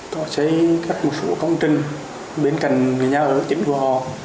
có xây cất một số công trình bên cạnh nhà ở chính của họ